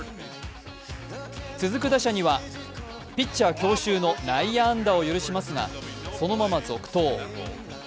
続く打者にはピッチャー強襲の内野安打を許しますがそのまま続投。